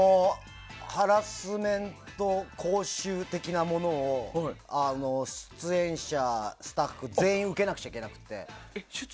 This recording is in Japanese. ハラスメント講習的なものを出演者、スタッフ全員受けなくちゃいけなくて。